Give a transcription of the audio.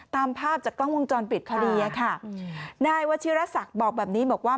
ตามภาพจากกล้องวงจรปิดพอดีอะค่ะนายวชิรศักดิ์บอกแบบนี้บอกว่า